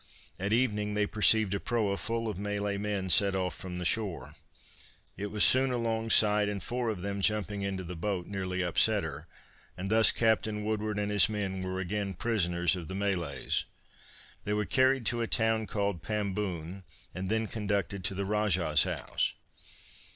At evening they perceived a proa full of Malay men set off from the shore. It was soon along side, and four of them jumping into the boat nearly upset her, and thus Captain Woodward and his men were again prisoners of the Malays. They were carried to a town called Pamboon and then conducted to the Rajah's house.